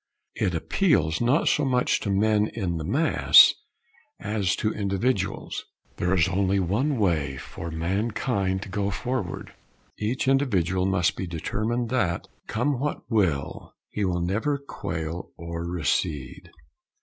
It appeals, not so much to men in the mass, as to individuals. There is only one way for mankind to go forward. Each individual must be determined that, come what will, he will never quail or recede.